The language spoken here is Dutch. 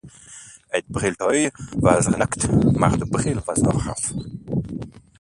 Het briletui was geknakt, maar de bril was nog gaaf.